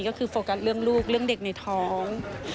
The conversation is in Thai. ก็คือโฟกัสเรื่องลูกเรื่องเด็กในท้อง